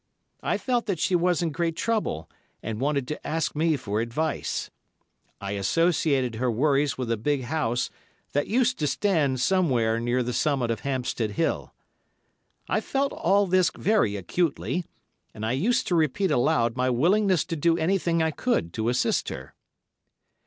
I felt that she was in great trouble and wanted to ask me for advice. I associated her worries with a big house that used to stand somewhere near the summit of Hampstead Hill. I felt all this very acutely, and I used to repeat aloud my willingness to do anything I could to assist her.